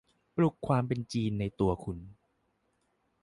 ปลุกความเป็นจีนในตัวคุณ